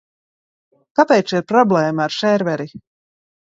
Kāpēc ir problēma ar serveri?